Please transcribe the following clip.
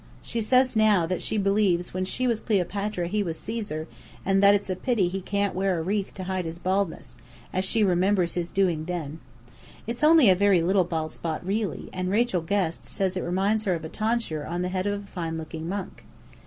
She says now that she believes when she was Cleopatra he was Caesar, and that it's a pity he can't wear a wreath to hide his baldness, as she remembers his doing then. It's only a very little bald spot, really, and Rachel Guest says it reminds her of a tonsure on the head of a fine looking monk.